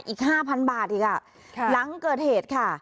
อีก๕๐๐บาทอีกหลังเกิดเหตุค่ะ